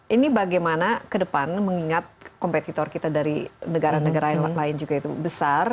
ini bagaimana ke depan mengingat kompetitor kita dari negara negara lain juga itu besar